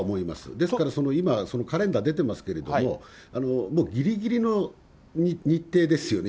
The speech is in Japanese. ですから今、カレンダー出てますけれども、もうぎりぎりの日程ですよね。